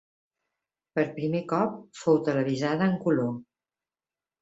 Per primer cop, fou televisada en color.